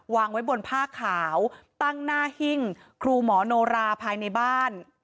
วางไว้บนผ้าขาวตั้งหน้าหิ้งครูหมอโนราภายในบ้าน